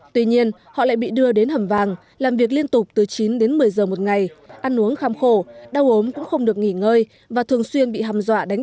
tuy nhiên họ lại bị đưa đến hầm vàng làm việc liên tục từ chín đến một mươi giờ một ngày ăn uống khám khổ đau ốm cũng không được nghỉ ngơi và thường xuyên bị hạm